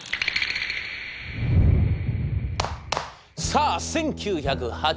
さあ１９８６年。